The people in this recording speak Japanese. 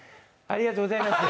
ありがとうございます。